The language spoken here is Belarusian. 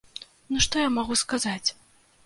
Ну, што я магу сказаць?!